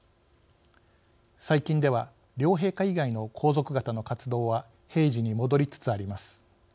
最近では両陛下以外の皇族方の活動は平時に戻りつつあります。